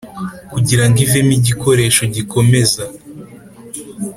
Kugirango ivemo igikoresho gikomeza